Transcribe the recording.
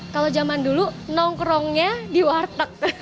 kalau zaman dulu nongkrongnya di warteg